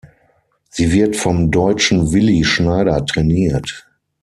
Sie wird vom Deutschen Willi Schneider trainiert.